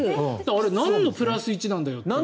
あれなんのプラス１なんだよって。